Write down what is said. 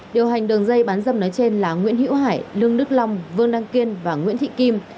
điều hành đường dây bán dâm nói trên là nguyễn hữu hải lương đức long vương đăng kiên và nguyễn thị kim